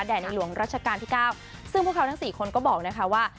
ในหลวงรัชกาลที่๙ซึ่งพวกเขาทั้ง๔คนก็บอกนะคะว่า